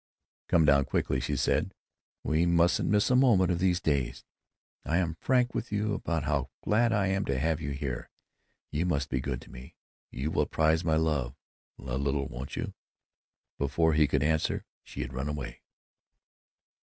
Come down quickly," she said. "We mustn't miss a moment of these days.... I am frank with you about how glad I am to have you here. You must be good to me; you will prize my love a little, won't you?" Before he could answer she had run away.